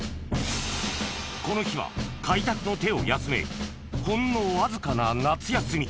この日は開拓の手を休めほんのわずかな夏休み